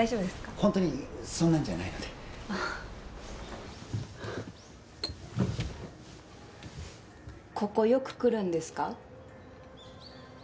ホントにそんなんじゃないのでここよく来るんですか？